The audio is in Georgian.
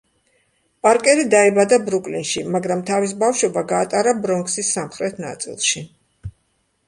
პარკერი დაიბადა ბრუკლინში, მაგრამ თავის ბავშვობა გაატარა ბრონქს–ის სამხრეთ ნაწილში.